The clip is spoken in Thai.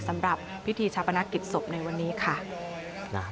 สำหรับพิธีชาปนกิจศพในวันนี้ค่ะ